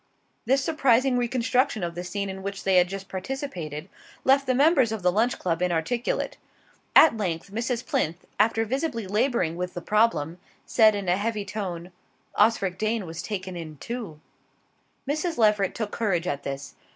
This surprising reconstruction of the scene in which they had just participated left the members of the Lunch Club inarticulate. At length, Mrs. Plinth, after visibly labouring with the problem, said in a heavy tone: "Osric Dane was taken in too." Mrs. Leveret took courage at this.